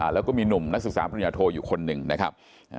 แล้วก็มีหนุ่มนักศึกษาปริญญาโทอยู่คนหนึ่งนะครับ